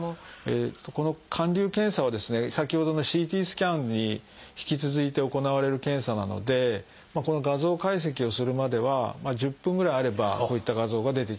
この灌流検査はですね先ほどのＣＴスキャンに引き続いて行われる検査なのでこの画像解析をするまでは１０分ぐらいあればこういった画像が出てきます。